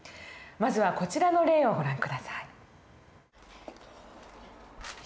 まずはこちらの例をご覧下さい。